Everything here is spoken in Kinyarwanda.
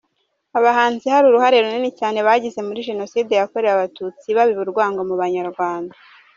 Abahanzi hari uruhare runini cyane bagize muri Jenoside yakorewe Abatutsi babiba urwango mu Banyarwanda.